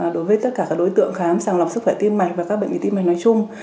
đối với tất cả các đối tượng khám sàng lọc sức khỏe tim mạch và các bệnh lý tim mạch nói chung